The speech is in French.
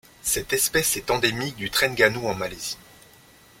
Cette espèce est endémique du Trengganu en Malaisie.